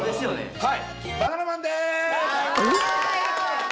はい。